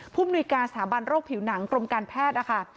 มนุยการสถาบันโรคผิวหนังกรมการแพทย์นะคะ